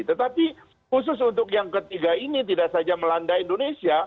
tetapi khusus untuk yang ketiga ini tidak saja melanda indonesia